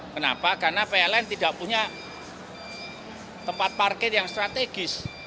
kenapa karena pln tidak punya tempat parkir yang strategis